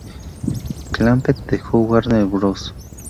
Clampett dejó Warner Bros.